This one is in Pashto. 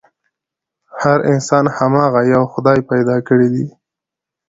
هر انسان هماغه يوه خدای پيدا کړی دی.